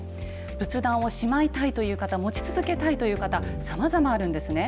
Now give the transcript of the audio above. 仏壇をしまいたいという方、持ち続けたいという方、さまざまあるんですね。